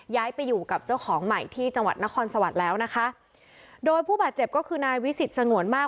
ย้ายไปอยู่กับเจ้าของใหม่ที่จังหวัดนครสวรรค์แล้วนะคะโดยผู้บาดเจ็บก็คือนายวิสิตสงวนมาก